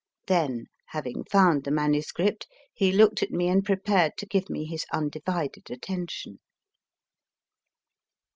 Then, having found the MS., he looked at me and prepared to give me his undivided attention.